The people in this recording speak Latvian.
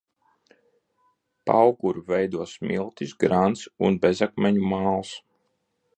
Pauguru veido smilts, grants un bezakmeņu māls.